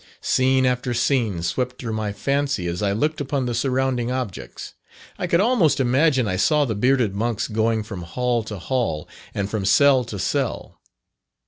Scene after scene swept through my fancy as I looked upon the surrounding objects. I could almost imagine I saw the bearded monks going from hall to hall, and from cell to cell.